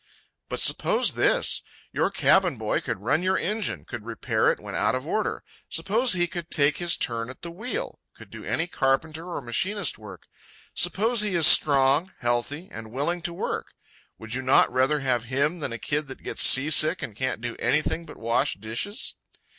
"But suppose this: your cabin boy could run your engine, could repair it when out of order. Suppose he could take his turn at the wheel, could do any carpenter or machinist work. Suppose he is strong, healthy, and willing to work. Would you not rather have him than a kid that gets seasick and can't do anything but wash dishes?"